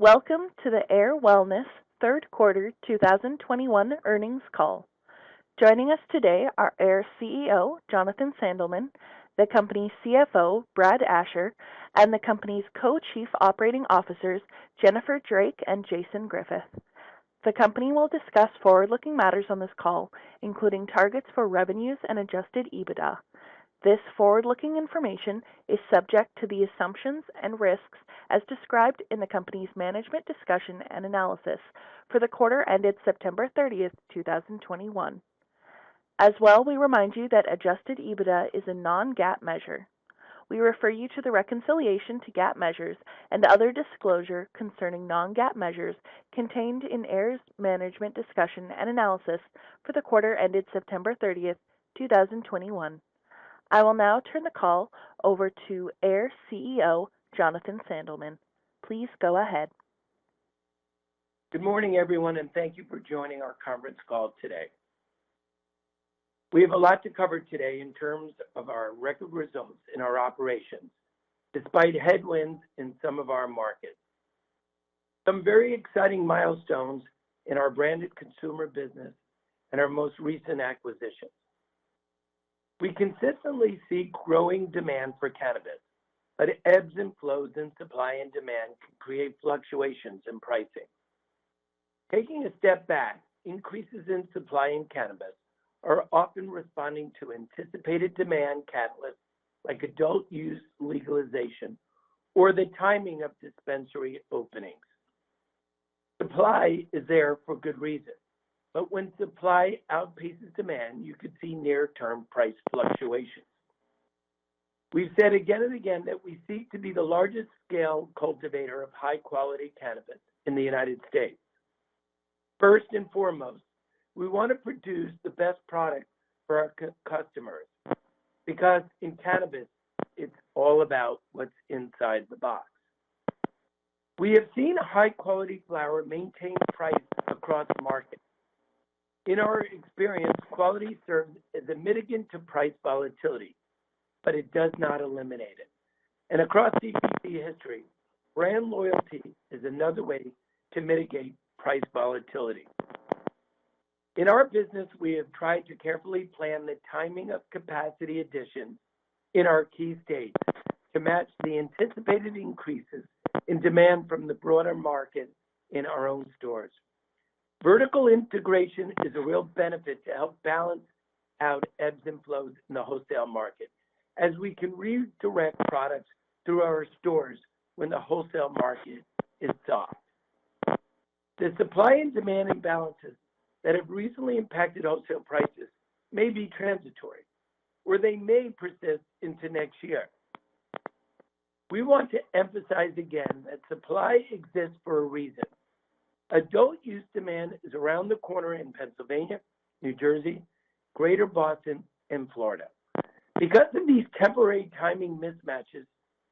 Welcome to the AYR Wellness third quarter 2021 earnings call. Joining us today are Ayr CEO, Jonathan Sandelman, the company's CFO, Brad Asher, and the company's co-chief operating officers, Jennifer Drake and Jason Griffith. The company will discuss forward-looking matters on this call, including targets for revenues and adjusted EBITDA. This forward-looking information is subject to the assumptions and risks as described in the company's management discussion and analysis for the quarter ended September 30, 2021. As well, we remind you that adjusted EBITDA is a non-GAAP measure. We refer you to the reconciliation to GAAP measures and other disclosure concerning non-GAAP measures contained in Ayr's management discussion and analysis for the quarter ended September 30, 2021. I will now turn the call over to AYR CEO, Jonathan Sandelman. Please go ahead. Good morning, everyone, and thank you for joining our conference call today. We have a lot to cover today in terms of our record results in our operations, despite headwinds in some of our markets, some very exciting milestones in our branded consumer business, and our most recent acquisitions. We consistently see growing demand for cannabis, but ebbs and flows in supply and demand can create fluctuations in pricing. Taking a step back, increases in supply in cannabis are often responding to anticipated demand catalysts like adult use legalization or the timing of dispensary openings. Supply is there for good reason, but when supply outpaces demand, you could see near-term price fluctuations. We've said again and again that we seek to be the largest scale cultivator of high quality cannabis in the United States. First and foremost, we want to produce the best product for our customers because in cannabis, it's all about what's inside the box. We have seen high quality flower maintain prices across markets. In our experience, quality serves as a mitigant to price volatility, but it does not eliminate it. Across CCC history, brand loyalty is another way to mitigate price volatility. In our business, we have tried to carefully plan the timing of capacity additions in our key states to match the anticipated increases in demand from the broader market in our own stores. Vertical integration is a real benefit to help balance out ebbs and flows in the wholesale market, as we can redirect products through our stores when the wholesale market is soft. The supply and demand imbalances that have recently impacted wholesale prices may be transitory, or they may persist into next year. We want to emphasize again that supply exists for a reason. Adult use demand is around the corner in Pennsylvania, New Jersey, Greater Boston, and Florida, because of these temporary timing mismatches,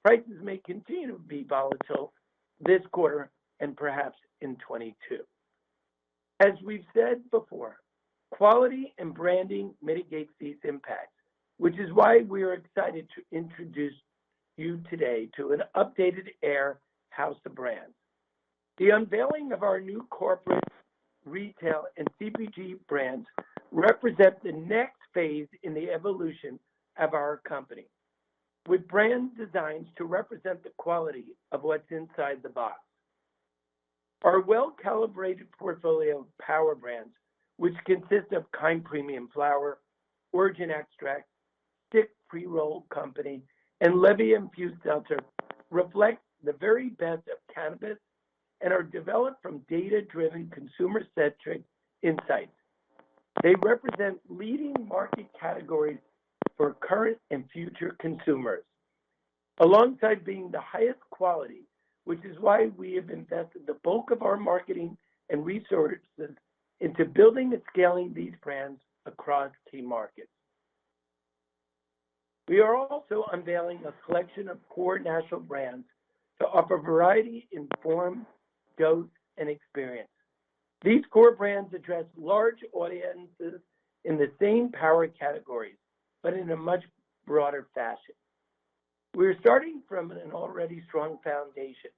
prices may continue to be volatile this quarter and perhaps in 2022. As we've said before, quality and branding mitigates these impacts, which is why we are excited to introduce you today to an updated AYR house of brands. The unveiling of our new corporate, retail, and CPG brands represent the next phase in the evolution of our company, with brands designed to represent the quality of what's inside the box. Our well-calibrated portfolio of power brands, which consist of Kynd Premium Flower, Origyn Extracts, Stix Pre-Roll Company, and Levia Infused Seltzers reflect the very best of cannabis and are developed from data-driven, consumer-centric insights. They represent leading market categories for current and future consumers, alongside being the highest quality, which is why we have invested the bulk of our marketing and resources into building and scaling these brands across key markets. We are also unveiling a collection of core national brands to offer variety in form, dose, and experience. These core brands address large audiences in the same power categories, but in a much broader fashion. We're starting from an already strong foundation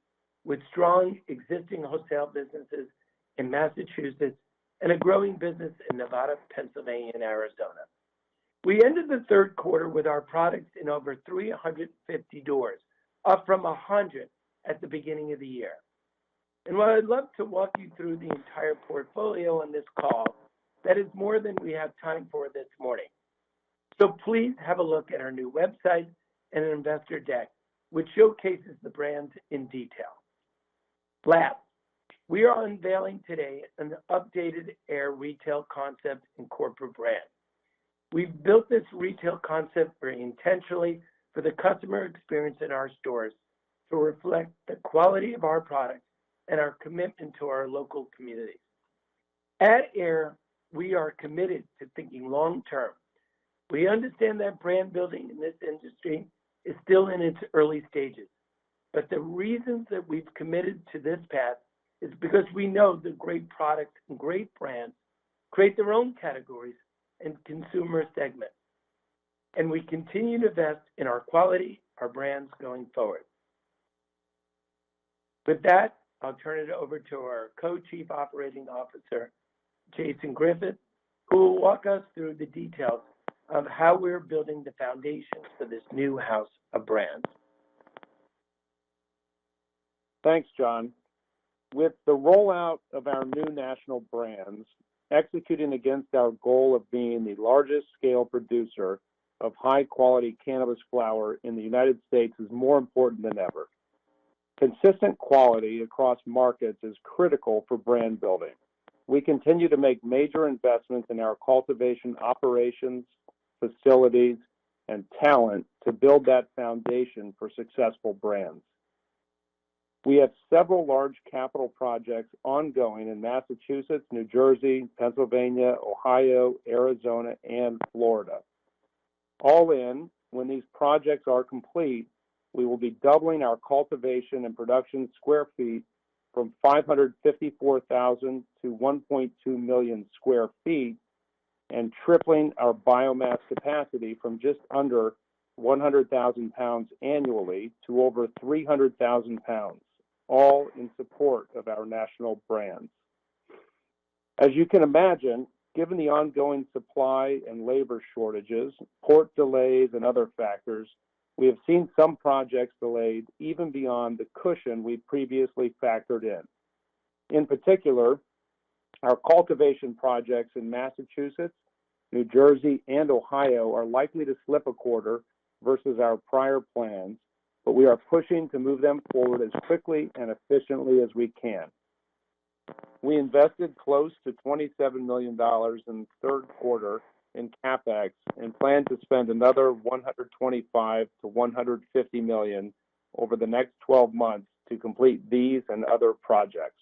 with strong existing wholesale businesses in Massachusetts and a growing business in Nevada, Pennsylvania, and Arizona. We ended the third quarter with our products in over 350 doors, up from 100 at the beginning of the year. While I'd love to walk you through the entire portfolio on this call, that is more than we have time for this morning. So, please have a look at our new website and investor deck, which showcases the brands in detail. Last, we are unveiling today an updated AYR retail concept and corporate brand. We've built this retail concept very intentionally for the customer experience in our stores to reflect the quality of our products and our commitment to our local communities. At AYR, we are committed to thinking long term. We understand that brand building in this industry is still in its early stages, but the reasons that we've committed to this path is because we know that great products and great brands create their own categories and consumer segments and we continue to invest in our quality, our brands going forward. With that, I'll turn it over to our Co-Chief Operating Officer, Jason Griffith, who will walk us through the details of how we're building the foundations for this new house of brands. Thanks, Jon. With the rollout of our new national brands, executing against our goal of being the largest scale producer of high-quality cannabis flower in the United States is more important than ever. Consistent quality across markets is critical for brand building. We continue to make major investments in our cultivation operations, facilities, and talent to build that foundation for successful brands. We have several large capital projects ongoing in Massachusetts, New Jersey, Pennsylvania, Ohio, Arizona, and Florida. All in, when these projects are complete, we will be doubling our cultivation and production square feet from 554,000-1.2 million sq ft, and tripling our biomass capacity from just under 100,000 pounds annually to over 300,000 pounds, all in support of our national brands. As you can imagine, given the ongoing supply and labor shortages, port delays, and other factors, we have seen some projects delayed even beyond the cushion we previously factored in. In particular, our cultivation projects in Massachusetts, New Jersey, and Ohio are likely to slip a quarter versus our prior plans, but we are pushing to move them forward as quickly and efficiently as we can. We invested close to $27 million in the third quarter in CapEx and plan to spend another $125 million-$150 million over the next 12 months to complete these and other projects.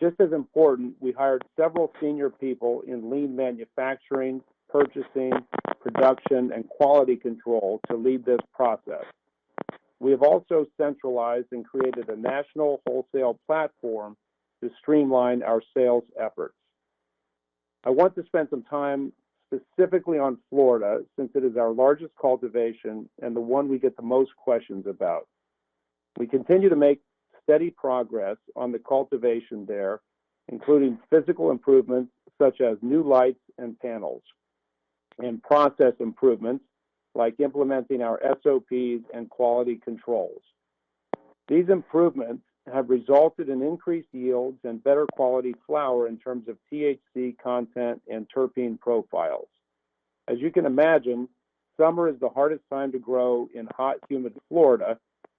Just as important, we hired several senior people in lean manufacturing, purchasing, production, and quality control to lead this process. We have also centralized and created a national wholesale platform to streamline our sales efforts. I want to spend some time specifically on Florida, since it is our largest cultivation and the one we get the most questions about. We continue to make steady progress on the cultivation there, including physical improvements such as new lights and panels, and process improvements like implementing our SOPs and quality controls. These improvements have resulted in increased yields and better quality flower in terms of THC content and terpene profiles. As you can imagine, summer is the hardest time to grow in hot, humid Florida,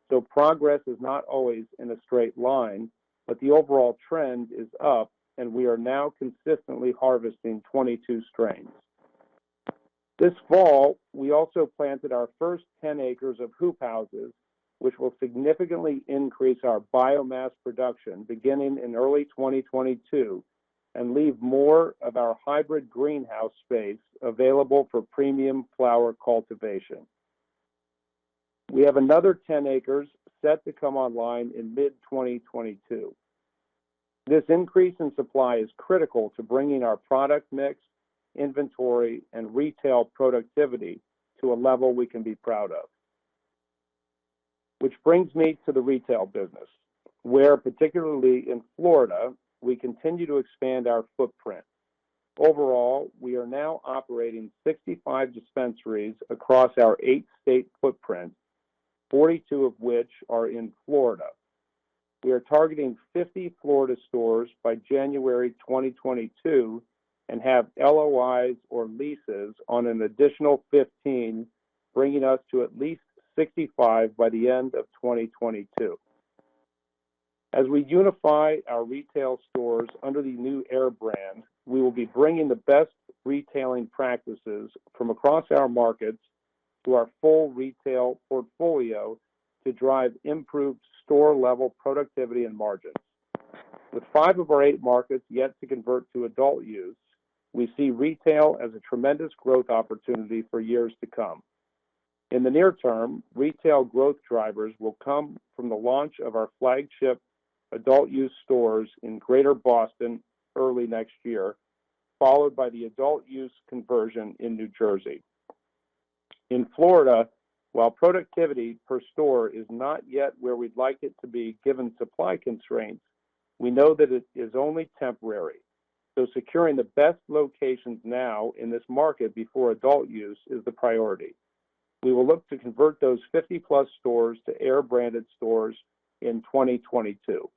so progress is not always in a straight line, but the overall trend is up, and we are now consistently harvesting 22 strains. This fall, we also planted our first 10 acres of hoop houses, which will significantly increase our biomass production beginning in early 2022 and leave more of our hybrid greenhouse space available for premium flower cultivation. We have another 10 acres set to come online in mid-2022. This increase in supply is critical to bringing our product mix, inventory, and retail productivity to a level we can be proud of. Which brings me to the retail business, where, particularly in Florida, we continue to expand our footprint. Overall, we are now operating 65 dispensaries across our eight-state footprint, 42 of which are in Florida. We are targeting 50 Florida stores by January 2022 and have LOIs or leases on an additional 15, bringing us to at least 65 by the end of 2022. As we unify our retail stores under the new AYR brand, we will be bringing the best retailing practices from across our markets to our full retail portfolio to drive improved store-level productivity and margins. With five of our eight markets yet to convert to adult use, we see retail as a tremendous growth opportunity for years to come. In the near term, retail growth drivers will come from the launch of our flagship adult use stores in Greater Boston early next year, followed by the adult use conversion in New Jersey. In Florida, while productivity per store is not yet where we'd like it to be given supply constraints, we know that it is only temporary, so securing the best locations now in this market before adult use is the priority. We will look to convert those 50-plus stores to AYR-branded stores in 2022.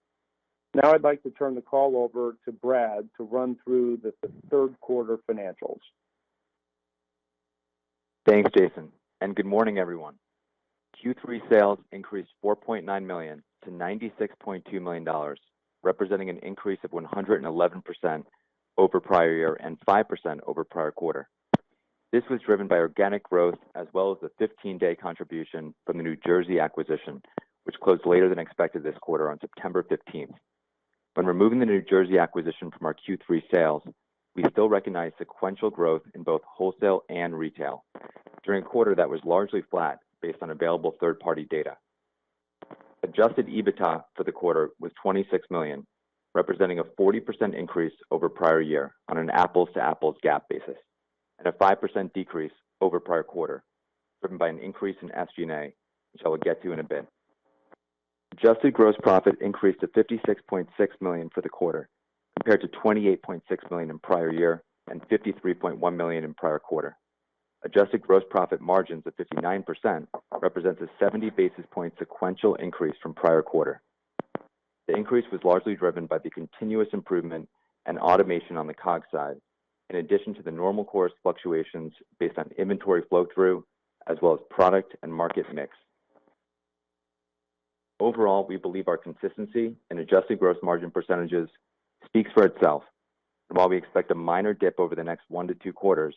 Now I'd like to turn the call over to Brad to run through the third quarter financials. Thanks, Jason, and good morning, everyone. Q3 sales increased $4.9 million-$96.2 million, representing an increase of 111% over prior year and 5% over prior quarter. This was driven by organic growth as well as the 15-day contribution from the New Jersey acquisition, which closed later than expected this quarter on September 15th. When removing the New Jersey acquisition from our Q3 sales, we still recognize sequential growth in both wholesale and retail during a quarter that was largely flat based on available third-party data. Adjusted EBITDA for the quarter was $26 million, representing a 40% increase over prior year on an apples-to-apples GAAP basis, and a 5% decrease over prior quarter, driven by an increase in SG&A, which I will get to in a bit. Adjusted gross profit increased to $56.6 million for the quarter, compared to $28.6 million in prior year and $53.1 million in prior quarter. Adjusted gross profit margins at 59% represents a 70 basis point sequential increase from prior quarter. The increase was largely driven by the continuous improvement and automation on the COGS side, in addition to the normal course fluctuations based on inventory flow through, as well as product and market mix. Overall, we believe our consistency in adjusted gross margin percentages speaks for itself. While we expect a minor dip over the next one to two quarters,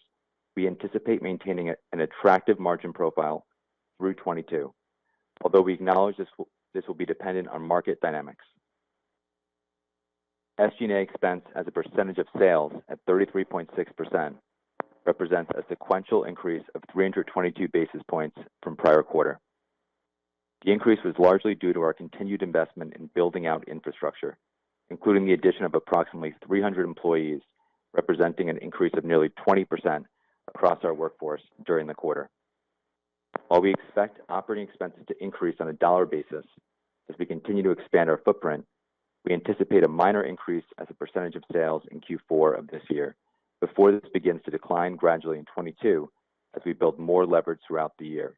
we anticipate maintaining an attractive margin profile through 2022. Although we acknowledge this will be dependent on market dynamics. SG&A expense as a percentage of sales at 33.6% represents a sequential increase of 322 basis points from prior quarter. The increase was largely due to our continued investment in building out infrastructure, including the addition of approximately 300 employees, representing an increase of nearly 20% across our workforce during the quarter. While we expect operating expenses to increase on a dollar basis as we continue to expand our footprint, we anticipate a minor increase as a percentage of sales in Q4 of this year before this begins to decline gradually in 2022 as we build more leverage throughout the year.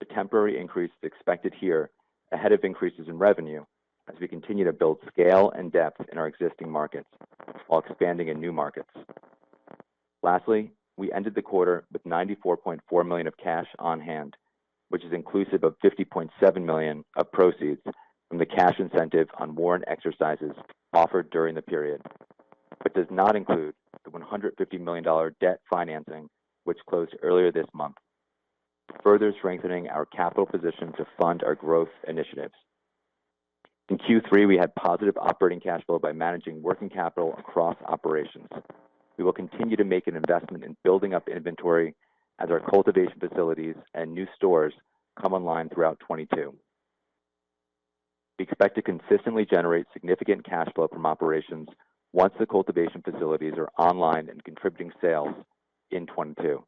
The temporary increase is expected here ahead of increases in revenue as we continue to build scale and depth in our existing markets while expanding in new markets. Lastly, we ended the quarter with $94.4 million of cash on hand, which is inclusive of $50.7 million of proceeds from the cash incentive on warrant exercises offered during the period, but does not include the $150 million debt financing which closed earlier this month, further strengthening our capital position to fund our growth initiatives. In Q3, we had positive operating cash flow by managing working capital across operations. We will continue to make an investment in building up inventory as our cultivation facilities and new stores come online throughout 2022. We expect to consistently generate significant cash flow from operations once the cultivation facilities are online and contributing sales in 2022.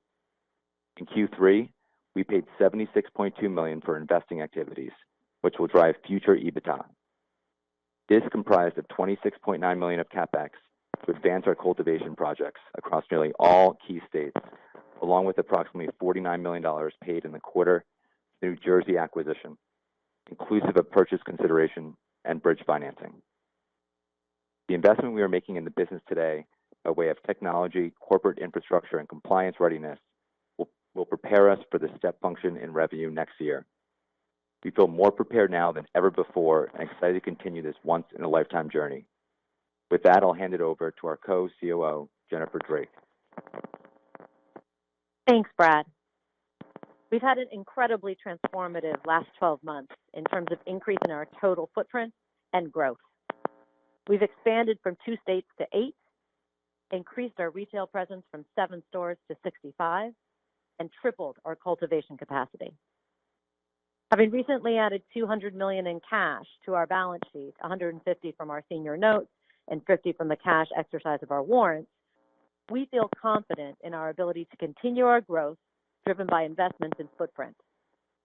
In Q3, we paid $76.2 million for investing activities, which will drive future EBITDA. This comprised of $26.9 million of CapEx to advance our cultivation projects across nearly all key states, along with approximately $49 million paid in the quarter, New Jersey acquisition, inclusive of purchase consideration, and bridge financing. The investment we are making in the business today by way of technology, corporate infrastructure, and compliance readiness will prepare us for the step function in revenue next year. We feel more prepared now than ever before and excited to continue this once in a lifetime journey. With that, I'll hand it over to our Co-COO, Jennifer Drake. Thanks, Brad. We've had an incredibly transformative last 12 months in terms of increasing our total footprint and growth. We've expanded from twostates to eight, increased our retail presence from seven stores to 65, and tripled our cultivation capacity. Having recently added $200 million in cash, to our balance sheet, $150 from our senior notes, and $50 from the cash exercise of our warrants, we feel confident in our ability to continue our growth driven by investments in footprint,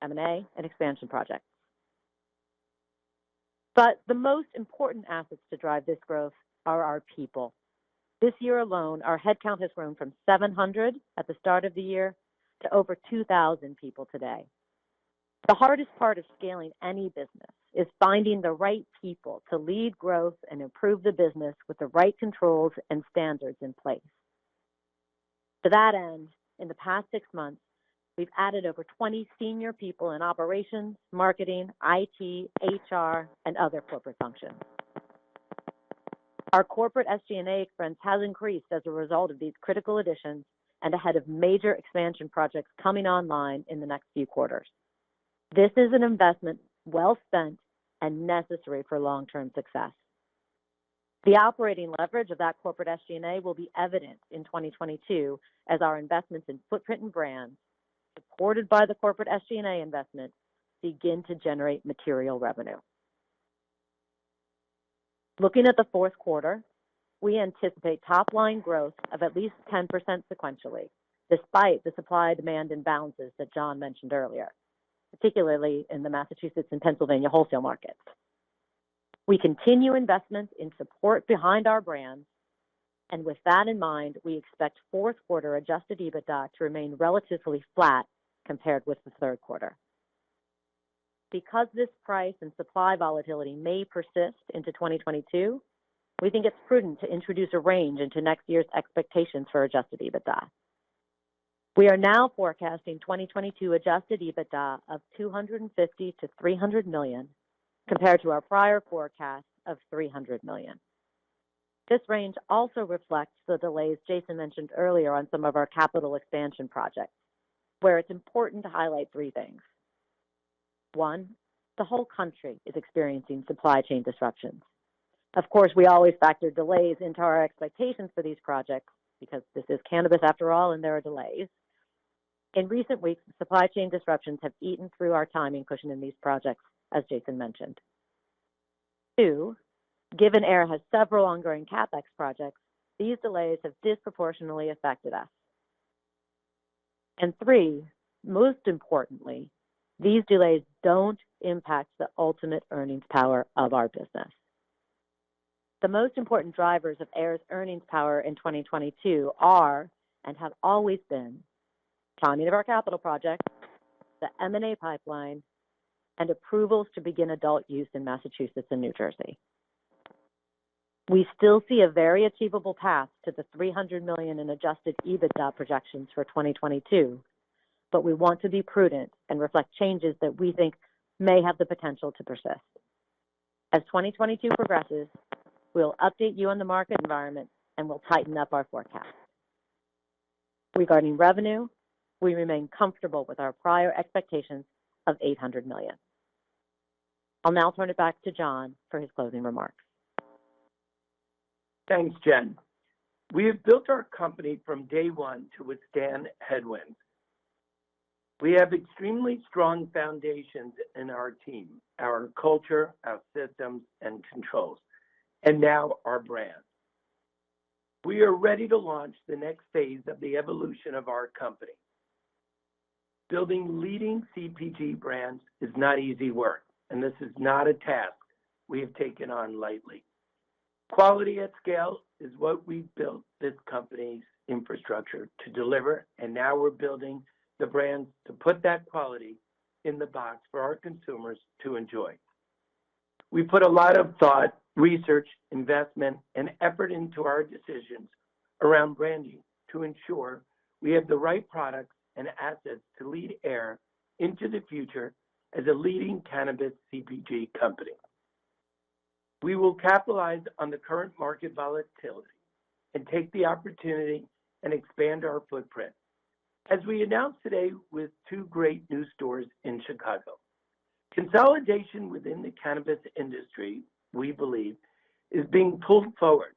M&A, and expansion projects. But the most important assets to drive this growth are our people. This year alone, our headcount has grown from 700 at the start of the year to over 2,000 people today. The hardest part of scaling any business is finding the right people to lead growth and improve the business with the right controls and standards in place. To that end, in the past six months, we've added over 20 senior people in operations, marketing, IT, HR, and other corporate functions. Our corporate SG&A expense has increased as a result of these critical additions and ahead of major expansion projects coming online in the next few quarters. This is an investment well spent and necessary for long-term success. The operating leverage of that corporate SG&A will be evident in 2022 as our investments in footprint and brands, supported by the corporate SG&A investment, begin to generate material revenue. Looking at the fourth quarter, we anticipate top line growth of at least 10% sequentially, despite the supply demand imbalances that Jon mentioned earlier, particularly in the Massachusetts and Pennsylvania wholesale markets. We continue investments in support behind our brands, and with that in mind, we expect fourth quarter adjusted EBITDA to remain relatively flat compared with the third quarter. Because this price and supply volatility may persist into 2022, we think it's prudent to introduce a range into next year's expectations for adjusted EBITDA. We are now forecasting 2022 adjusted EBITDA of $250 million-$300 million, compared to our prior forecast of $300 million. This range also reflects the delays Jason mentioned earlier on some of our capital expansion projects, where it's important to highlight three things. One, the whole country is experiencing supply chain disruptions, of course, we always factor delays into our expectations for these projects because this is cannabis after all and there are delays. In recent weeks, supply chain disruptions have eaten through our timing cushion in these projects, as Jason mentioned. Two, given AYR has several ongoing CapEx projects, these delays have disproportionately affected us. And three, most importantly, these delays don't impact the ultimate earnings power of our business. The most important drivers of AYR's earnings power in 2022 are, and have always been, timing of our capital projects, the M&A pipeline, and approvals to begin adult use in Massachusetts and New Jersey. We still see a very achievable path to the $300 million in adjusted EBITDA projections for 2022, but we want to be prudent and reflect changes that we think may have the potential to persist. As 2022 progresses, we'll update you on the market environment, and we'll tighten up our forecast. Regarding revenue, we remain comfortable with our prior expectations of $800 million. I'll now turn it back to Jon for his closing remarks. Thanks, Jen. We have built our company from day one to withstand headwinds. We have extremely strong foundations in our team, our culture, our systems, and controls, and now our brand. We are ready to launch the next phase of the evolution of our company. Building leading CPG brands is not easy work, and this is not a task we have taken on lightly. Quality at scale is what we built this company's infrastructure to deliver, and now we're building the brands to put that quality in the box for our consumers to enjoy. We put a lot of thought, research, investment, and effort into our decisions around branding to ensure we have the right products and assets to lead AYR into the future as a leading cannabis CPG company. We will capitalize on the current market volatility and take the opportunity and expand our footprint, as we announced today with two great new stores in Chicago. Consolidation within the cannabis industry, we believe, is being pulled forward.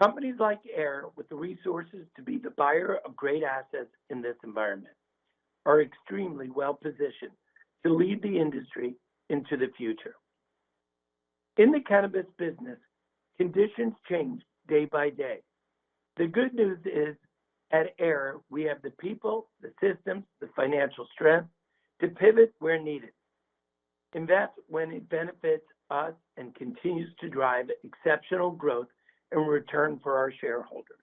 Companies like AYR, with the resources to be the buyer of great assets in this environment, are extremely well-positioned to lead the industry into the future. In the cannabis business, conditions change day by day. The good news is, at AYR, we have the people, the systems, the financial strength to pivot where needed, invest when it benefits us, and continues to drive exceptional growth in return for our shareholders.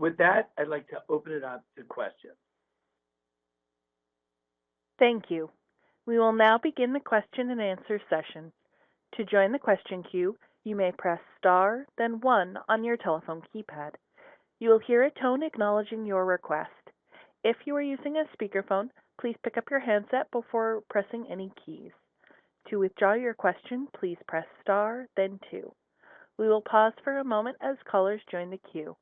With that, I'd like to open it up to questions. Thank you. We will now begin the question-and-answer session. To join the question queue, you may press star then one on your telephone keypad. You will hear a tone acknowledging your request. If you are using a speakerphone, please pick up your handset before pressing any keys. To withdraw your question, please press star then two. We will pause for a moment as callers join the queue.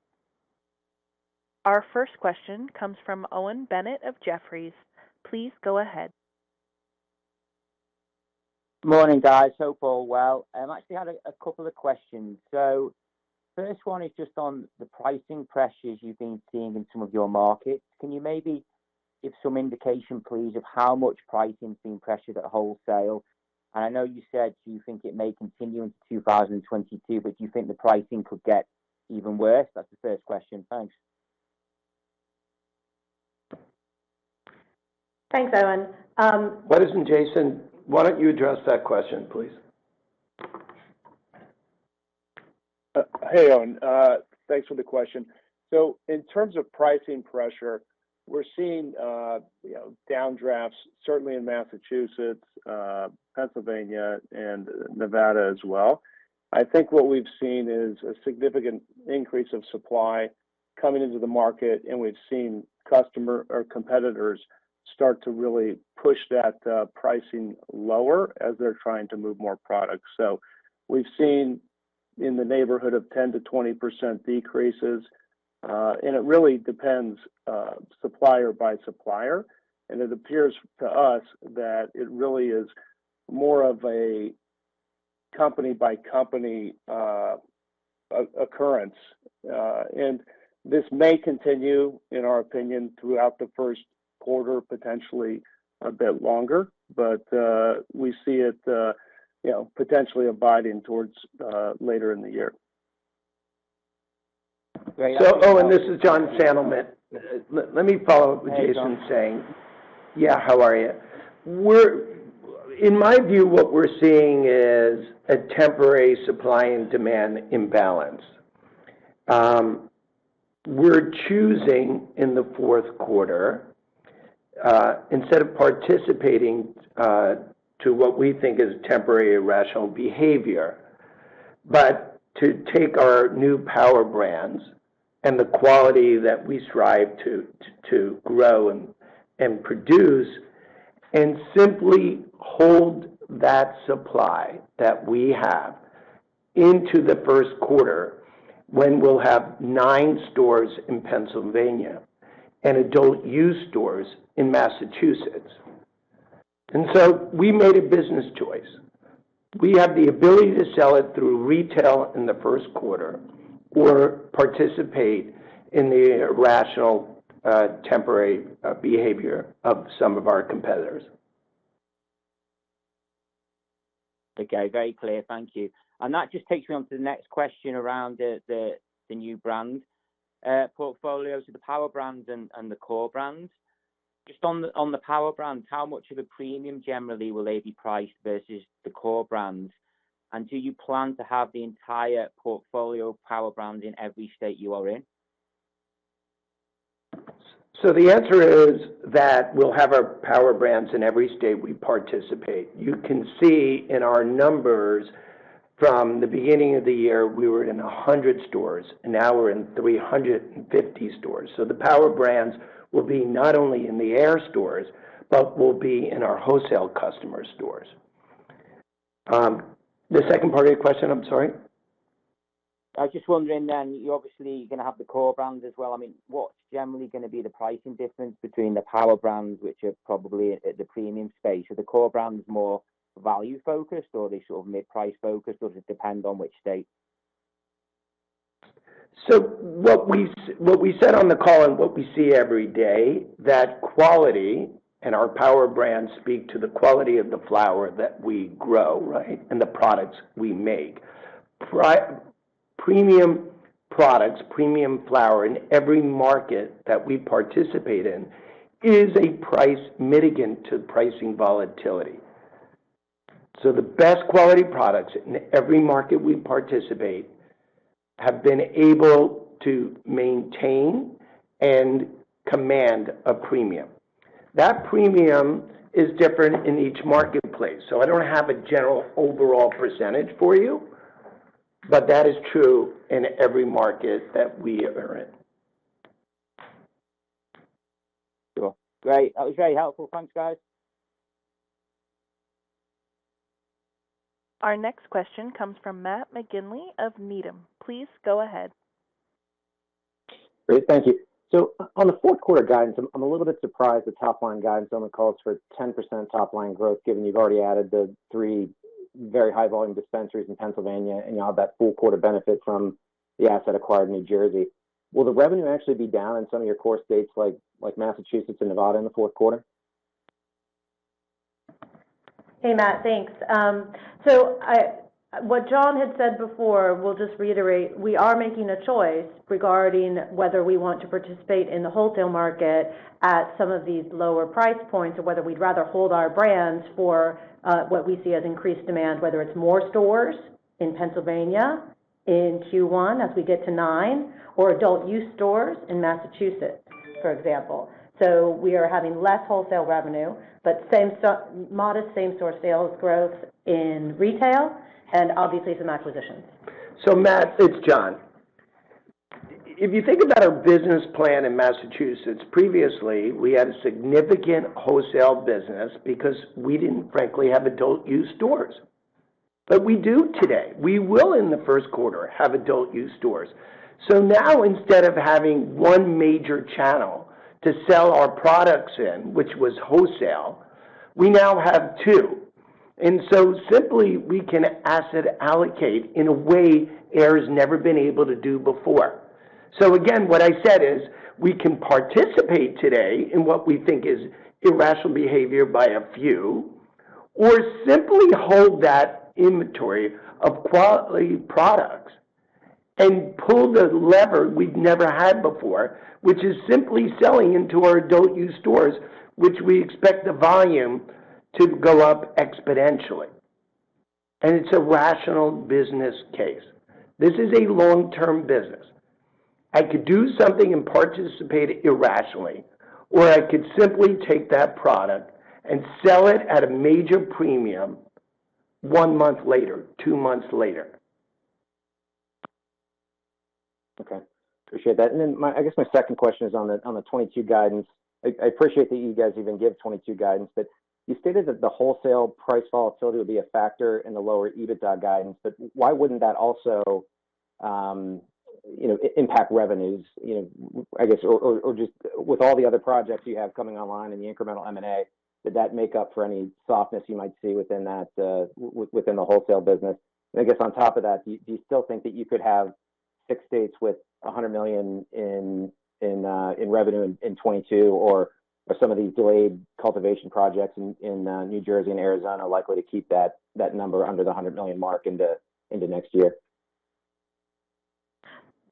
Our first question comes from Owen Bennett of Jefferies. Please go ahead. Morning, guys. Hope all is well. I actually had a couple of questions. So, first one is just on the pricing pressures you've been seeing in some of your markets. Can you maybe give some indication, please, of how much pricing is being pressured at wholesale? I know you said you think it may continue into 2022, but do you think the pricing could get even worse? That's the first question. Thanks. Thanks, Owen. Why don't you address that question, please? Hey, Owen. Thanks for the question. In terms of pricing pressure, we're seeing, you know, downdrafts, certainly in Massachusetts, Pennsylvania, and Nevada as well. I think what we've seen is a significant increase of supply coming into the market, and we've seen competitors start to really push that, pricing lower as they're trying to move more products. We've seen in the neighborhood of 10%-20% decreases, and it really depends, supplier by supplier. It appears to us that it really is more of a company by company occurrence. This may continue, in our opinion, throughout the first quarter, potentially a bit longer, but we see it, you know, potentially abating towards later in the year. Great. Owen, this is Jonathan Sandelman. Let me follow up what Jason's saying. Yeah. How are you? In my view, what we're seeing is a temporary supply and demand imbalance, we're choosing, in the fourth quarter, instead of participating in what we think is temporary irrational behavior, but to take our new power brands and the quality that we strive to grow and produce, and simply hold that supply that we have into the first quarter when we'll have nine stores in Pennsylvania and adult-use stores in Massachusetts. And so, we made a business choice. We have the ability to sell it through retail in the first quarter or participate in the irrational, temporary, behavior of some of our competitors. Okay. Very clear. Thank you. And that just takes me on to the next question around the new brand portfolios, the power brands, and the core brands. Just on the power brands, how much of a premium generally will they be priced versus the core brands? Do you plan to have the entire portfolio of power brands in every state you are in? So the answer is that we'll have our power brands in every state we participate. You can see in our numbers from the beginning of the year, we were in 100 stores. Now we're in 350 stores. The power brands will be not only in the AYR stores, but will be in our wholesale customer stores. The second part of your question, I'm sorry. I was just wondering then, you're obviously gonna have the core brands as well. I mean, what's generally gonna be the pricing difference between the power brands, which are probably at the premium space? Are the core brands more value-focused, or are they sort of mid-price-focused? Does it depend on which state? So, what we said on the call and what we see every day, that quality, and our power brands speak to the quality of the flower that we grow, right? And the products we make. Premium products, premium flower in every market that we participate in is a price mitigant to pricing volatility. So, the best quality products in every market we participate in have been able to maintain and command a premium, that premium is different in each marketplace. I don't have a general overall percentage for you, but that is true in every market that we're in. Cool. Great. That was very helpful. Thanks, guys. Our next question comes from Matt McGinley of Needham. Please go ahead. Great. Thank you. So, on the fourth quarter guidance, I'm a little bit surprised the top line guidance only calls for 10% top line growth, given you've already added the three very high volume dispensaries in Pennsylvania, and you have that full quarter benefit from the asset acquired in New Jersey. Will the revenue actually be down in some of your core states like Massachusetts and Nevada in the fourth quarter? Hey, Matt, thanks. So, what Jon had said before, we'll just reiterate, we are making a choice regarding whether we want to participate in the wholesale market at some of these lower price points or whether we'd rather hold our brands for what we see as increased demand, whether it's more stores in Pennsylvania in Q1 as we get to nine or adult-use stores in Massachusetts, for example. We are having less wholesale revenue, but same-store modest same-store sales growth in retail and obviously some acquisitions. So Matt, it's Jon. If you think about our business plan in Massachusetts, previously we had a significant wholesale business because we didn't frankly have adult-use stores but we do today. We will in the first quarter have adult-use stores. So, now instead of having one major channel to sell our products in, which was wholesale, we now have two. And so, simply we can asset allocate in a way AYR's has never been able to do before. So again, what I said is, we can participate today in what we think is irrational behavior by a few, or simply hold that inventory of quality products and pull the lever we've never had before, which is simply selling into our adult-use stores, which we expect the volume to go up exponentially. It's a rational business case. This is a long-term business. I could do something and participate irrationally, or I could simply take that product and sell it at a major premium one month later, two months later. Okay. Appreciate that. Then I guess my second question is on the 2022 guidance. I appreciate that you guys even give 2022 guidance, but you stated that the wholesale price volatility would be a factor in the lower EBITDA guidance, but why wouldn't that also impact revenues? I guess, or just with all the other projects you have coming online and the incremental M&A, did that make up for any softness you might see within the wholesale business? I guess on top of that, do you still think that you could have six states with $100 million in revenue in 2022, or are some of these delayed cultivation projects in New Jersey and Arizona likely to keep that number under the $100 million mark into next year?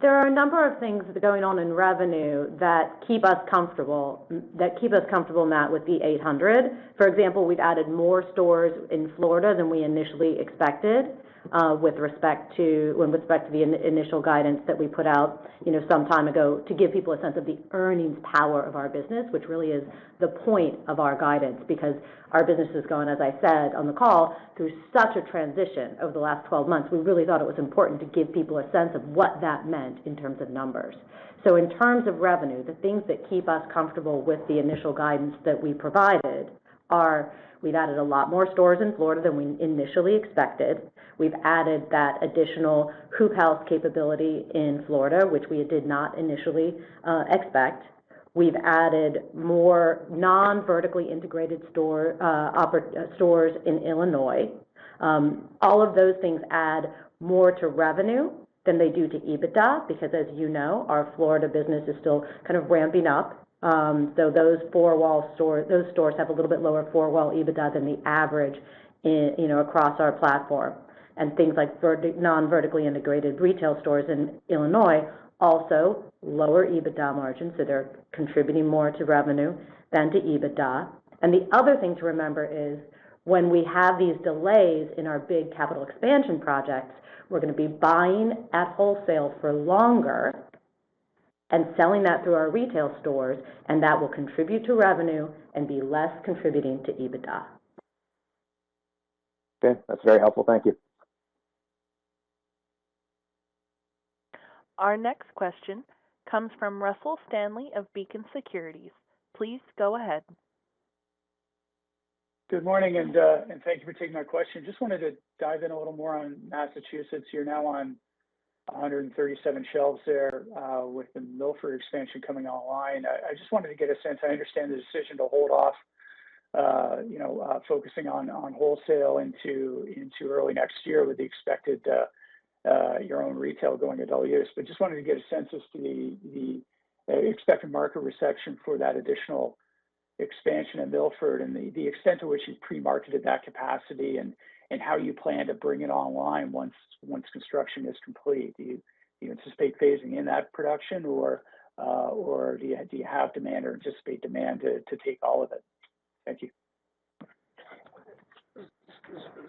There are a number of things going on in revenue that keep us comfortable, Matt, with the $800. For example, we've added more stores in Florida than we initially expected, with respect to the initial guidance that we put out, you know, some time ago to give people a sense of the earnings power of our business, which really is the point of our guidance. Because our business is going, as I said on the call, through such a transition over the last 12 months. We really thought it was important to give people a sense of what that meant in terms of numbers. So in terms of revenue, the things that keep us comfortable with the initial guidance that we provided are we've added a lot more stores in Florida than we initially expected. We've added that additional hoop house capability in Florida, which we did not initially expect. We've added more non-vertically integrated stores in Illinois. All of those things add more to revenue than they do to EBITDA, because as you know, our Florida business is still kind of ramping up. So those four-wall stores have a little bit lower four-wall EBITDA than the average, you know, across our platform. And things like non-vertically integrated retail stores in Illinois also lower EBITDA margins, so they're contributing more to revenue than to EBITDA. And the other thing to remember is when we have these delays in our big capital expansion projects, we're gonna be buying at wholesale for longer and selling that through our retail stores, and that will contribute to revenue and be less contributing to EBITDA. Okay. That's very helpful. Thank you. Our next question comes from Russell Stanley of Beacon Securities. Please go ahead. Good morning, and thank you for taking my question. Just wanted to dive in a little more on Massachusetts. You're now on 137 shelves there, with the Milford expansion coming online. I just wanted to get a sense. I understand the decision to hold off, you know, focusing on wholesale into early next year with the expected your own retail going adult use. Just wanted to get a sense as to the expected market reception for that additional expansion in Milford and the extent to which you've pre-marketed that capacity and how you plan to bring it online once construction is complete. Do you anticipate phasing in that production or do you have demand or anticipate demand to take all of it? Thank you.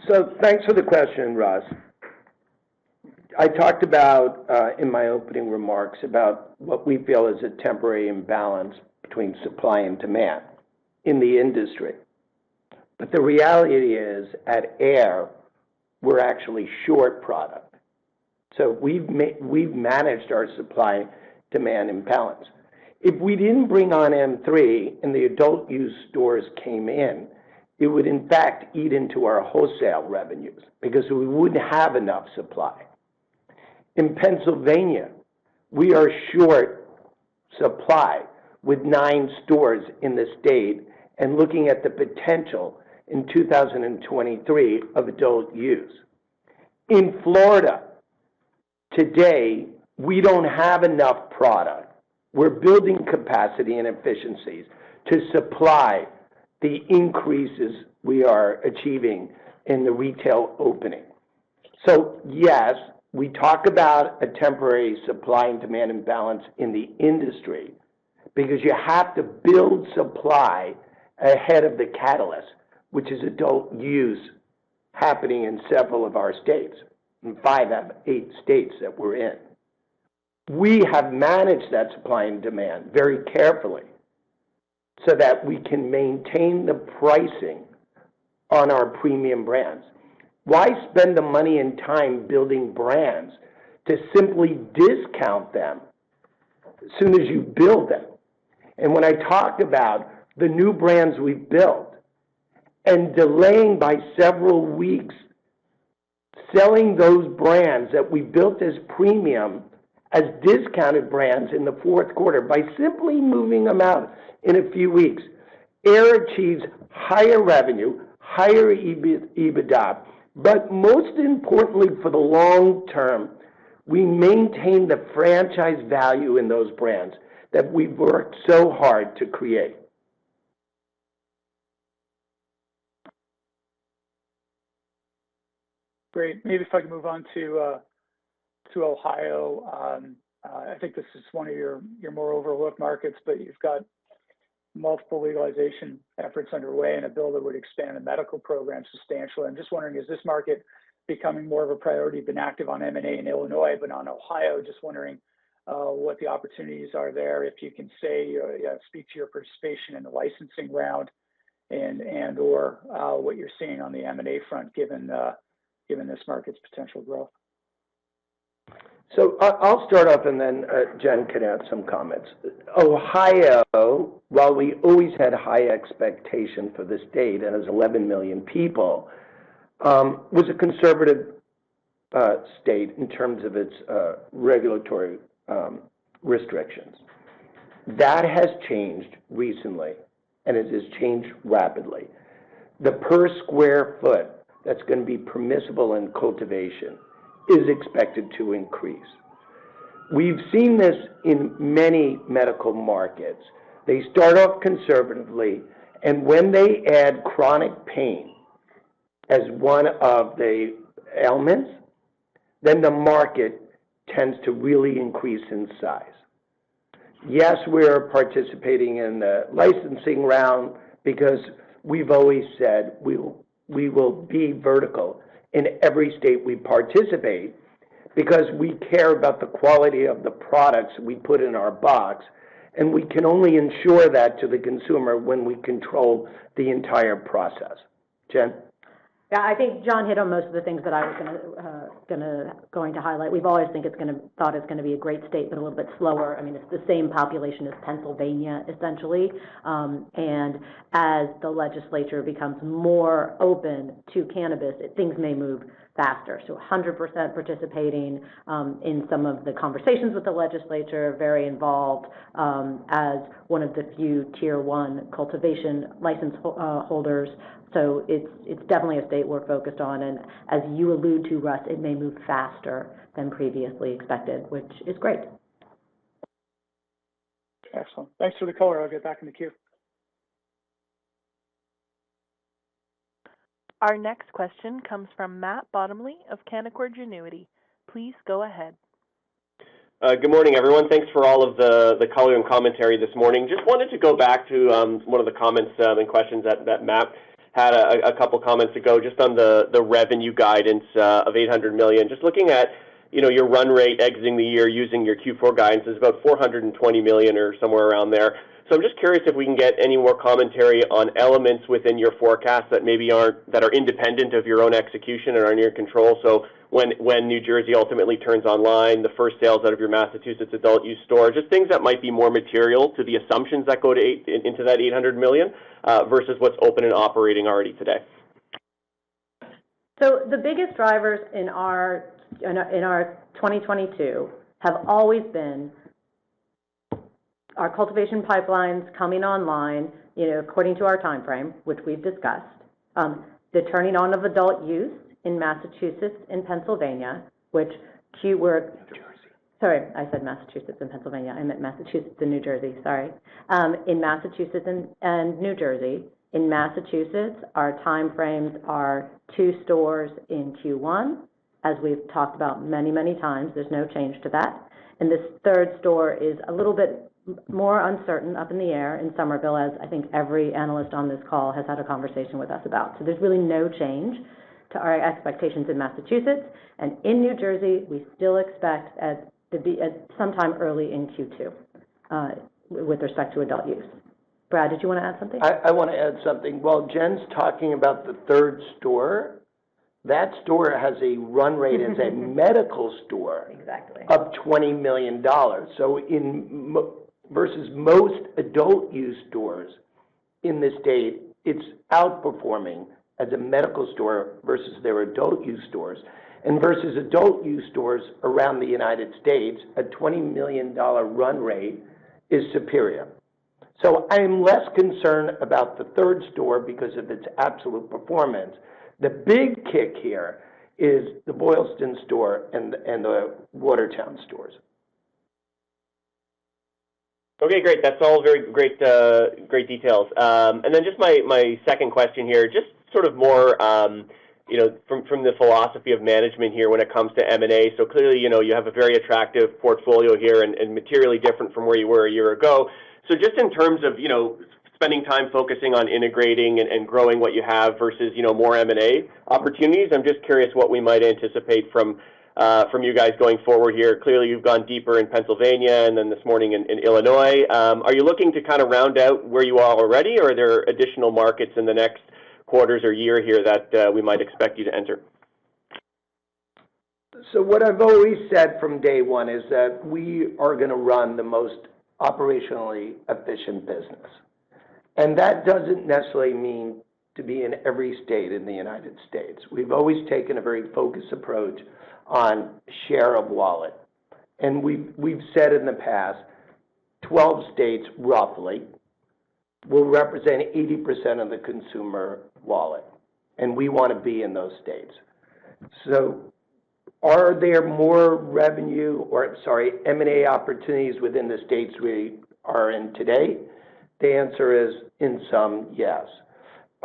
So, thanks for the question, Russ. I talked about in my opening remarks about what we feel is a temporary imbalance between supply and demand in the industry. But the reality is, at AYR, we're actually short product. So, we've managed our supply-demand imbalance. If we didn't bring on M3 and the adult use stores came in, it would in fact eat into our wholesale revenues because we wouldn't have enough supply. In Pennsylvania, we are short supply with nine stores in the state and looking at the potential in 2023 of adult use. In Florida today, we don't have enough product. We're building capacity and efficiencies to supply the increases we are achieving in the retail opening. So yes, we talk about a temporary supply and demand imbalance in the industry because you have to build supply ahead of the catalyst, which is adult use happening in several of our states, in five of eight states that we're in. We have managed that supply and demand very carefully, so that we can maintain the pricing on our premium brands. Why spend the money and time building brands to simply discount them, as soon as you build them? When I talk about the new brands we've built and delaying by several weeks, selling those brands that we built as premium, as discounted brands in the fourth quarter, by simply moving them out in a few weeks, AYR achieves higher revenue, higher EBITDA but most importantly, for the long term, we maintain the franchise value in those brands that we've worked so hard to create. Great. Maybe if I can move on to Ohio. I think this is one of your more overlooked markets, but you've got multiple legalization efforts underway and a bill that would expand the medical program substantially. I'm just wondering, is this market becoming more of a priority? You've been active on M&A in Illinois, but on Ohio, just wondering what the opportunities are there, if you can say, you know, speak to your participation in the licensing round? And/or what you're seeing on the M&A front given this market's potential growth. I'll start off and then Jen can add some comments. Ohio, while we always had high expectation for the state and it was 11 million people, was a conservative state in terms of its regulatory restrictions. That has changed recently, and it has changed rapidly, the per sq ft that's gonna be permissible in cultivation is expected to increase. We've seen this in many medical markets. They start off conservatively, and when they add chronic pain as one of the ailments, then the market tends to really increase in size. Yes, we're participating in the licensing round because we've always said we will be vertical in every state we participate because we care about the quality of the products we put in our box, and we can only ensure that to the consumer when we control the entire process. Jen? Yeah, I think John hit on most of the things that I was going to highlight. We've always thought it's gonna be a great state, but a little bit slower. I mean, it's the same population as Pennsylvania, essentially. As the legislature becomes more open to cannabis, things may move faster. 100% participating in some of the conversations with the legislature, very involved as one of the few tier one cultivation license holders. So it's definitely a state we're focused on, and as you allude to Russ, it may move faster than previously expected, which is great. Excellent. Thanks for the color. I'll get back in the queue. Our next question comes from Matt Bottomley of Canaccord Genuity. Please go ahead. Good morning, everyone. Thanks for all of the color and commentary this morning. Just wanted to go back to one of the comments and questions that Matt had a couple comments ago just on the revenue guidance of $800 million. Just looking at, you know, your run rate exiting the year using your Q4 guidance is about $420 million or somewhere around there. I'm just curious if we can get any more commentary on elements within your forecast that maybe are independent of your own execution and are in your control. When New Jersey ultimately turns online, the first sales out of your Massachusetts adult-use store, just things that might be more material to the assumptions that go into that $800 million versus what's open and operating already today? The biggest drivers in our 2022 have always been our cultivation pipelines coming online, you know, according to our timeframe, which we've discussed, the turning on of adult use in Massachusetts and Pennsylvania, which Q were- New Jersey. Sorry, I said Massachusetts and Pennsylvania. I meant Massachusetts and New Jersey. Sorry. In Massachusetts and New Jersey. In Massachusetts, our time frames are two stores in Q1, as we've talked about many, many times. There's no change to that. This third store is a little bit more uncertain, up in the air in Somerville, as I think every analyst on this call has had a conversation with us about. There's really no change to our expectations in Massachusetts. In New Jersey, we still expect to be at sometime early in Q2 with respect to adult use. Brad, did you wanna add something? I wanna add something. While Jen's talking about the third store, that store has a run rate as a medical store. Exactly of $20 million. So in, versus most adult-use stores in the state, it's outperforming as a medical store versus their adult-use stores, and versus adult-use stores around the United States, a $20 million run rate is superior. I'm less concerned about the third store because of its absolute performance. The big kick here is the Boylston store and the Watertown stores. Okay, great. That's all very great details. And then just my second question here, just sort of more, you know, from the philosophy of management here when it comes to M&A. Clearly, you know, you have a very attractive portfolio here and materially different from where you were a year ago. Just in terms of, you know, spending time focusing on integrating and growing what you have versus, you know, more M&A opportunities, I'm just curious what we might anticipate from you guys going forward here. Clearly, you've gone deeper in Pennsylvania and then this morning in Illinois. Are you looking to kind of round out where you are already, or are there additional markets in the next quarters or year here that we might expect you to enter? So, what I've always said from day one is that we are gonna run the most operationally efficient business, and that doesn't necessarily mean to be in every state in the United States. We've always taken a very focused approach on share of wallet. We've said in the past, 12 states roughly will represent 80% of the consumer wallet, and we wanna be in those states. So, are there more revenue, or sorry, M&A opportunities within the states we are in today? The answer is in some, yes.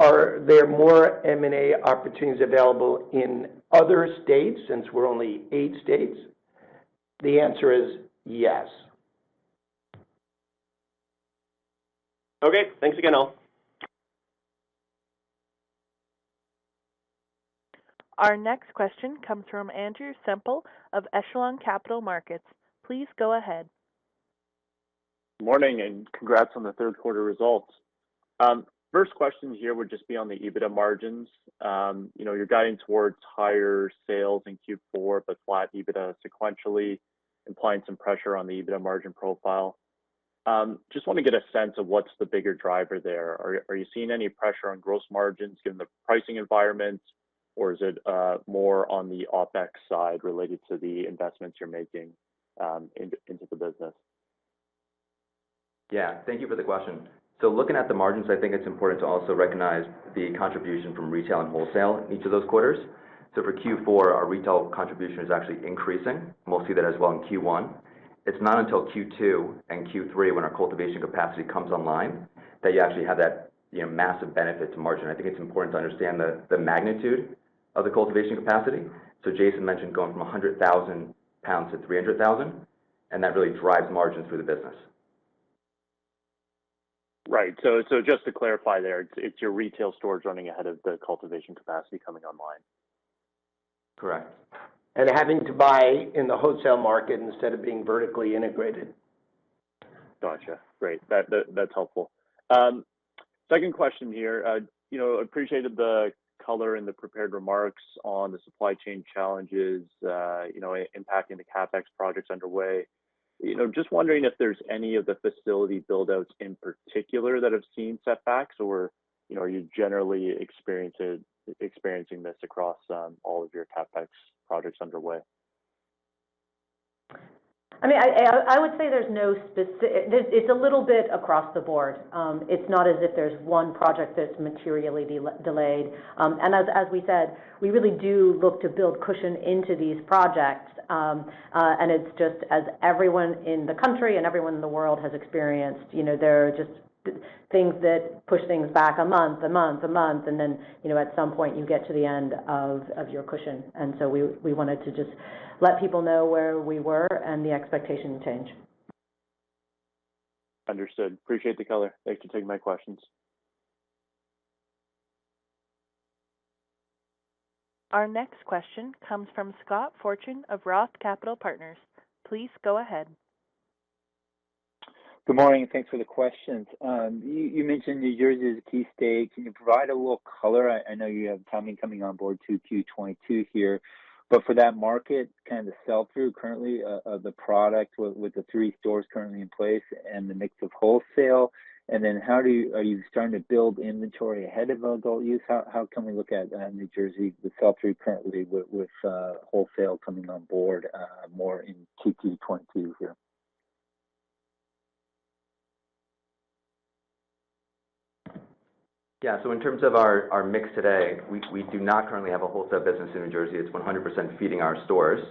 Are there more M&A opportunities available in other states since we're only eight states? The answer is yes. Okay. Thanks again, all. Our next question comes from Andrew Semple of Echelon Capital Markets. Please go ahead. Morning, congrats on the third quarter results. First question here would just be on the EBITDA margins. You know, you're guiding towards higher sales in Q4, but flat EBITDA sequentially, implying some pressure on the EBITDA margin profile. Just wanna get a sense of what's the bigger driver there. Are you seeing any pressure on gross margins given the pricing environments, or is it more on the OpEx side related to the investments you're making into the business? Yeah. Thank you for the question. So looking at the margins, I think it's important to also recognize the contribution from retail and wholesale in each of those quarters. For Q4, our retail contribution is actually increasing. We'll see that as well in Q1. It's not until Q2 and Q3, when our cultivation capacity comes online, that you actually have that, you know, massive benefit to margin. I think it's important to understand the magnitude of the cultivation capacity. Jason mentioned going from 100,000 pound-300,000 pounds, and that really drives margins for the business. Right. Just to clarify there, it's your retail stores running ahead of the cultivation capacity coming online. Correct. And having to buy in the wholesale market instead of being vertically integrated. Gotcha. Great. That's helpful. Second question here. Appreciated the color in the prepared remarks on the supply chain challenges impacting the CapEx projects underway. Just wondering if there's any of the facility build-outs in particular that have seen setbacks? Or are you generally experiencing this across all of your CapEx projects underway? I mean, I would say it's a little bit across the board. It's not as if there's one project that's materially delayed. And as we said, we really do look to build cushion into these projects. It's just as everyone in the country and everyone in the world has experienced, you know, there are just things that push things back a month, a month, a month, and then, you know, at some point you get to the end of your cushion. And so, we wanted to just let people know where we were and the expectation change. Understood. Appreciate the color. Thanks for taking my questions. Our next question comes from Scott Fortune of ROTH Capital Partners. Please go ahead. Good morning, and thanks for the questions. You mentioned New Jersey is a key state. Can you provide a little color? I know you have Tommy coming on board in Q2 2022 here, but for that market, kind of the sell-through currently of the product with the three stores currently in place and the mix of wholesale. Are you starting to build inventory ahead of adult use? How can we look at New Jersey with sell-through currently with wholesale coming on board more in Q 2022 here? Yeah. In terms of our mix today, we do not currently have a wholesale business in New Jersey. It's 100% feeding our stores,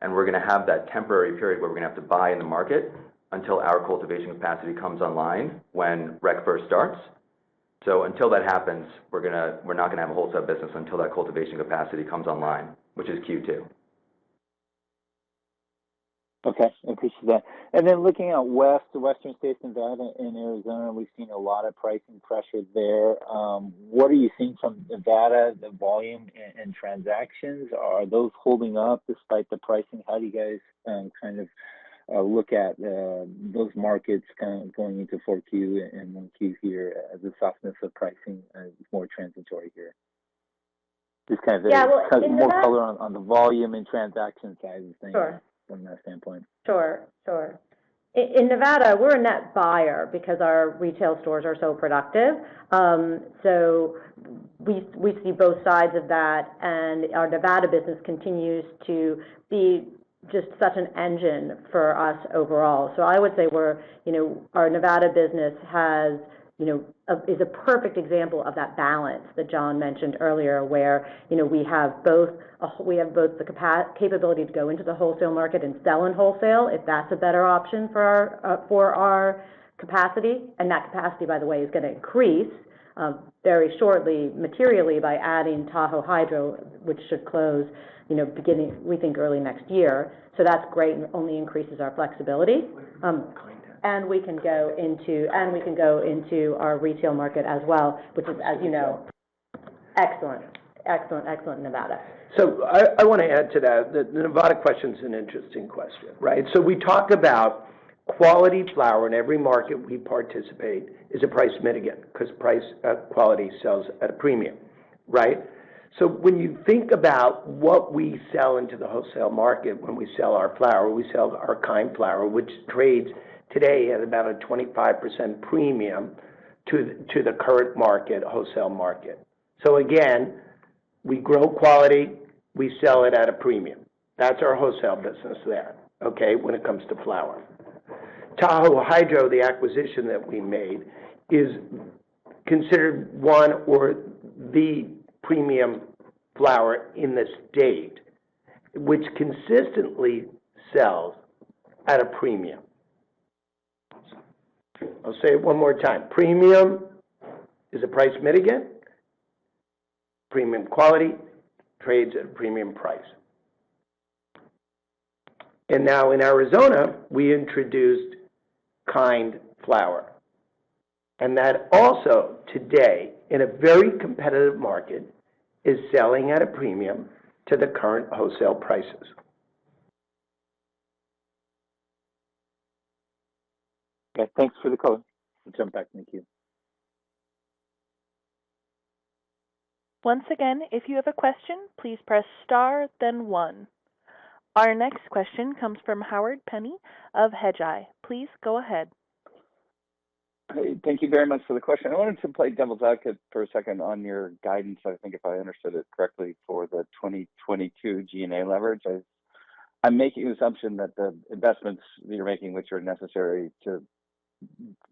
and we're gonna have that temporary period where we're gonna have to buy in the market until our cultivation capacity comes online when Rec first starts. So, until that happens, we're not gonna have a wholesale business until that cultivation capacity comes online, which is Q2. Okay. Appreciate that. And then looking at western states, Nevada and Arizona, we've seen a lot of pricing pressures there. What are you seeing from the data, the volume and transactions? Are those holding up despite the pricing? How do you guys kind of look at those markets kind of going into Q4 and Q1 here as the softness of pricing is more transitory here? Just kind of any Yeah. Well, in Nevada. More color on the volume and transaction side of things. Sure from that standpoint. Sure. In Nevada, we're a net buyer because our retail stores are so productive. So, we see both sides of that, and our Nevada business continues to be just such an engine for us overall. So I would say our Nevada business is a perfect example of that balance that Jon mentioned earlier, where you know we have both the capability to go into the wholesale market and sell in wholesale, if that's a better option for our capacity, and that capacity, by the way, is gonna increase very shortly materially by adding Tahoe Hydro, which should close you know beginning, we think, early next year. That's great and only increases our flexibility. And we can go into our retail market as well, which is, as you know, excellent. Excellent Nevada. I wanna add to that. The Nevada question is an interesting question, right? We talk about quality flower in every market we participate is a price mitigant because price, quality sells at a premium, right? So when you think about what we sell into the wholesale market when we sell our flower, we sell our Kynd flower, which trades today at about a 25% premium to the current market, wholesale market. So again, we grow quality, we sell it at a premium, that's our wholesale business there, okay? When it comes to flower, Tahoe Hydro, the acquisition that we made, is considered one of the premium flower in the state, which consistently sells at a premium. I'll say it one more time. Premium is a price mitigant. Premium quality trades at premium price. And now in Arizona, we introduced Kynd flower, and that also today, in a very competitive market, is selling at a premium to the current wholesale prices. Okay. Thanks for the color. I'll jump back. Thank you. Once again, if you have a question, please press star then one. Our next question comes from Howard Penney of Hedgeye. Please go ahead. Hey, thank you very much for the question. I wanted to play devil's advocate for a second on your guidance. I think if I understood it correctly, for the 2022 G&A leverage. I'm making the assumption that the investments that you're making, which are necessary to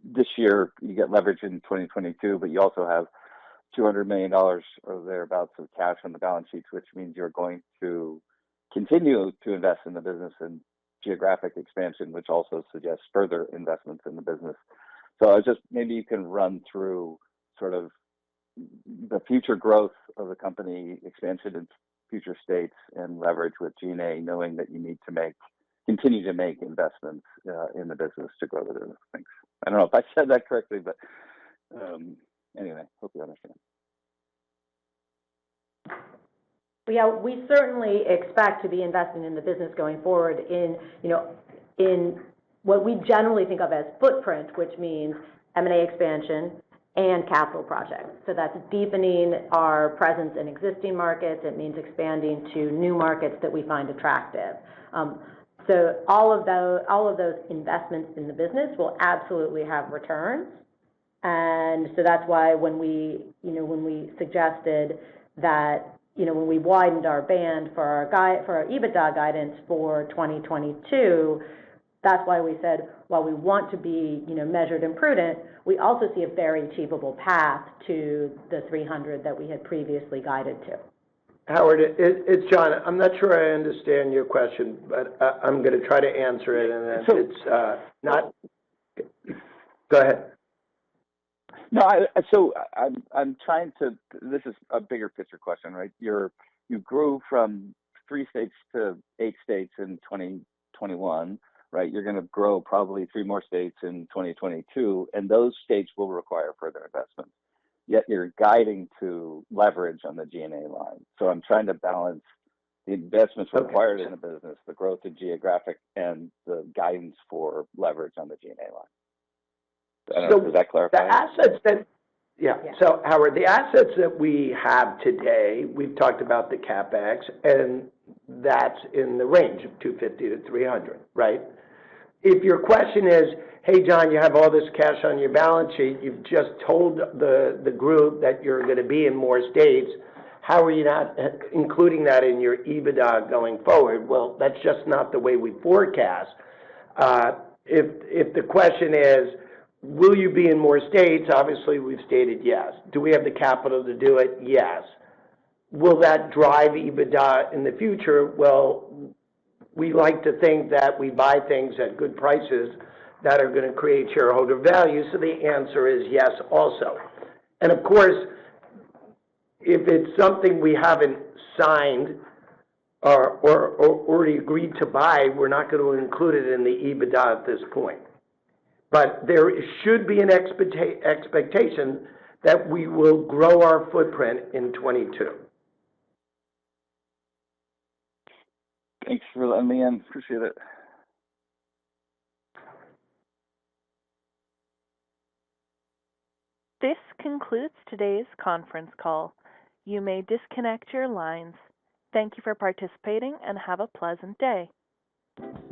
this year, you get leverage in 2022, but you also have $200 million or thereabout of cash on the balance sheets, which means you're going to continue to invest in the business and geographic expansion, which also suggests further investments in the business. So I was just maybe you can run through sort of the future growth of the company expansion in future states and leverage with G&A, knowing that you need to make, continue to make investments, in the business to grow the business? Thanks. I don't know if I said that correctly, but, anyway, hope you understand. Yeah, we certainly expect to be investing in the business going forward in, you know, in what we generally think of as footprint, which means M&A expansion and capital projects. That's deepening our presence in existing markets. It means expanding to new markets that we find attractive. So all of those investments in the business will absolutely have returns and that's why when we, you know, suggested that, you know, when we widened our band for our EBITDA guidance for 2022, that's why we said, while we want to be, you know, measured and prudent, we also see a very achievable path to the $300 million that we had previously guided to. Howard, it's Jon. I'm not sure I understand your question, but I'm gonna try to answer it. So- Go ahead. No. So, I'm trying to. This is a bigger picture question, right? You grew from three states to eight states in 2021, right? You're gonna grow probably three more states in 2022, and those states will require further investments. Yet you're guiding to leverage on the G&A line. So I'm trying to balance the investments required in the business, the growth in geographic and the guidance for leverage on the G&A line. So- Does that clarify? Yeah. Yeah. So Howard, the assets that we have today, we've talked about the CapEx, and that's in the range of $250-$300, right? If your question is, "Hey John, you have all this cash on your balance sheet. You've just told the group that you're gonna be in more states. How are you not including that in your EBITDA going forward?" Well, that's just not the way we forecast. If the question is, will you be in more states? Obviously, we've stated yes. Do we have the capital to do it? Yes. Will that drive EBITDA in the future? Well, we like to think that we buy things at good prices that are gonna create shareholder value. So, the answer is yes also. Of course, if it's something we haven't signed or already agreed to buy, we're not gonna include it in the EBITDA at this point. But there should be an expectation that we will grow our footprint in 2022. Thanks for letting me in. Appreciate it. This concludes today's conference call. You may disconnect your lines. Thank you for participating and have a pleasant day.